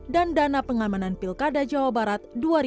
dan dana pengamanan pilkada jawa barat dua ribu delapan